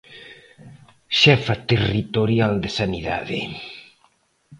Xefa territorial de Sanidade.